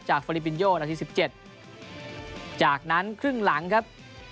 จากฟอริปินโยนะครับที่สิบเจ็ดจากนั้นครึ่งหลังครับ